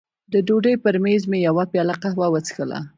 د ډوډۍ پر مېز مې یوه پیاله قهوه وڅښله.